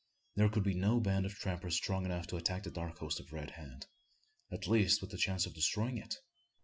There could be no band of trappers strong enough to attack the dark host of Red Hand at least with the chance of destroying it?